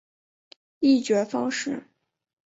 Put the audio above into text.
议决方式